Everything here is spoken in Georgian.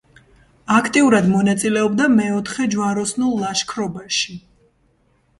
აქტიურად მონაწილეობდა მეოთხე ჯვაროსნულ ლაშქრობაში.